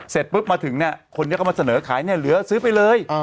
เสร็จปุ๊บมาถึงคนนี้เขามาเสนอขายหรือสือไปเลย